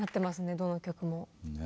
どの曲も。ね。